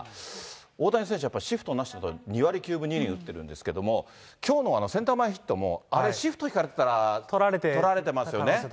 大谷選手、やっぱりシフトなしで、２割９分２厘打ってるんですけれども、きょうのセンター前ヒットもあれ、シフト敷かれてたら、とられてますよね。